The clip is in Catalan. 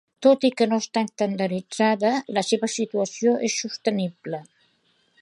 Tot i que no està estandarditzada, la seva situació és sostenible.